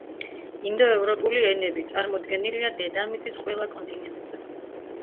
ინდოევროპული ენები წარმოდგენილია დედამიწის ყველა კონტინენტზე.